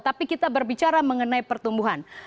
tapi kita berbicara mengenai pertumbuhan